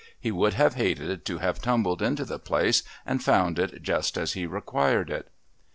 He would have hated to have tumbled into the place and found it just as he required it.